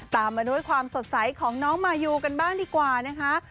มาด้วยความสดใสของน้องมายูกันบ้างดีกว่านะคะ